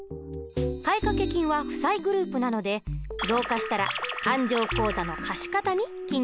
買掛金は負債グループなので増加したら勘定口座の貸方に記入しましたね。